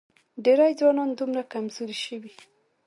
ډېری ځوانان دومره کمزوري شوي